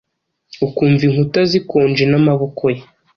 ukumva inkuta zikonje n'amaboko ye.